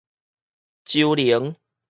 周寧